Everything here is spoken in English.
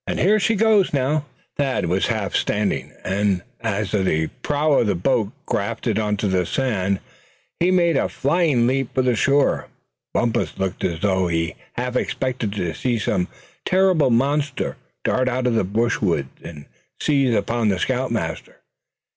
Here she goes, now." Thad was half standing, and as the prow of the boat grated on the sand he made a flying leap for the shore. Bumpus looked as though he half expected to see some terrible monster dart out of the brushwood, and seize upon the scout master.